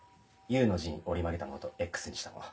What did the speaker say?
Ｕの字に折り曲げたものとＸにしたもの。